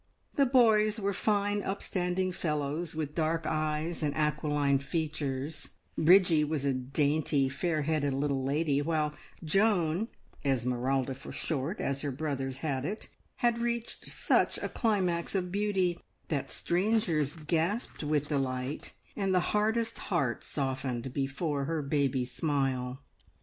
The boys were fine upstanding fellows with dark eyes and aquiline features; Bridgie was a dainty, fair haired little lady; while Joan, (Esmeralda for short, as her brothers had it), had reached such a climax of beauty that strangers gasped with delight, and the hardest heart softened before her baby smile.